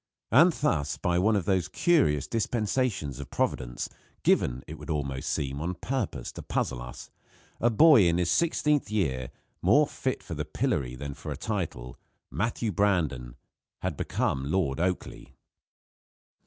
And thus, by one of those curious dispensations of Providence, given, it would almost seem, on purpose to puzzle us, a boy in his sixteenth year, more fit for the pillory than for a title Matthew Brandon had become Lord Oakleigh.